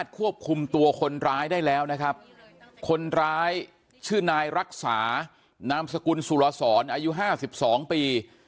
ควบคุมตัวคนร้ายได้แล้วนะครับคนร้ายชื่อนายรักษานามสกุลสุรสรอายุ๕๒ปี